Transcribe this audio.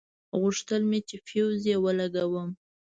غوښتل مې چې فيوز يې ولګوم.